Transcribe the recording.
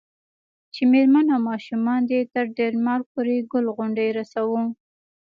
چې میرمن او ماشومان دې تر ډنمارک پورې ګل غوندې رسوو.